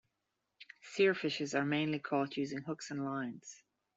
Seerfishes are mainly caught using hooks and lines.